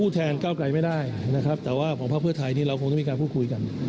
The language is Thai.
แต่ว่าของพรรคเพื่อไทยที่เราคงต้องมีการพูดคุยกัน